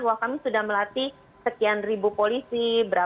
wah kami sudah melatih sekian ribu polisi